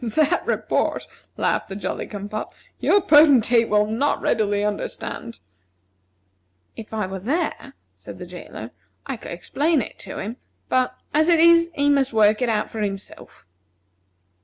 "That report," laughed the Jolly cum pop, "your Potentate will not readily understand." "If I were there," said the jailer, "I could explain it to him; but, as it is, he must work it out for himself."